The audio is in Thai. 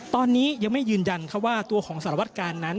ตอนนี้ยังไม่ยืนยันว่าตัวของสารวัตกาลนั้น